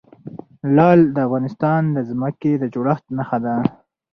لعل د افغانستان د ځمکې د جوړښت نښه ده.